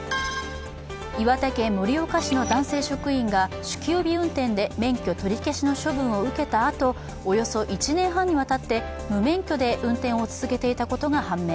岩手県盛岡市の男性職員が酒気帯び運転で免許取り消しの処分を受けたあとおよそ１年半にわたって無免許で運転を続けていたことが判明